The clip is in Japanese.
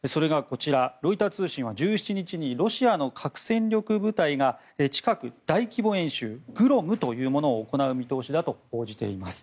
ロイター通信は１７日にロシアの核戦力部隊が近く大規模演習グロムというものを行う見通しだと報じています。